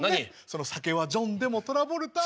その酒はジョンでもトラボルタ。